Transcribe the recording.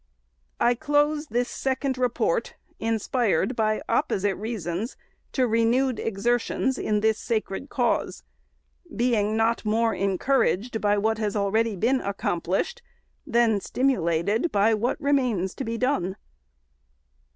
I close this second Report, inspired by opposite reasons to renewed exertions in this sacred cause ;— being not more encouraged by what has already been accomplished, than stimulated by what remains to be done.